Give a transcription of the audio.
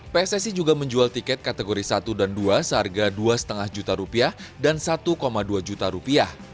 pssi juga menjual tiket kategori satu dan dua seharga rp dua lima ratus dan rp satu dua ratus